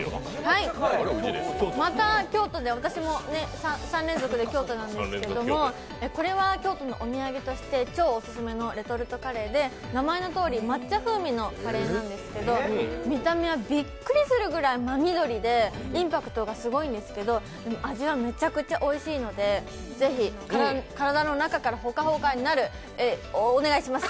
また京都で、私も３連続で京都なんですけど、これは京都のお土産として超オススメのレトルトカレーで、名前のとおり抹茶風味のカレーなんですけど見た目はびっくりするぐらい真緑でインパクトがすごいんですけど、でも味はめちゃくちゃおいしいのでぜひ体の中からホカホカになるお願いします。